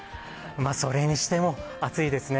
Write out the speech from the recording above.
それにしても、暑いですね。